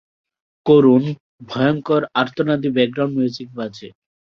করুণ, ভয়ংকর, আর্তনাদী background music বাজে।